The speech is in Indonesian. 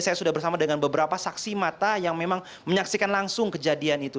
saya sudah bersama dengan beberapa saksi mata yang memang menyaksikan langsung kejadian itu